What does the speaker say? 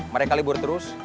mereka libur terus